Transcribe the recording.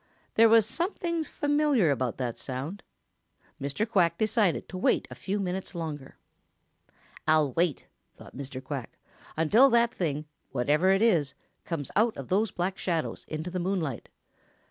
There was something familiar about that sound. Mr. Quack decided to wait a few minutes longer. "I'll wait," thought Mr. Quack, "until that thing, whatever it is, comes out of those Black Shadows into the moonlight.